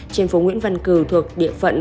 trên phố nguyễn văn cử thuộc địa phận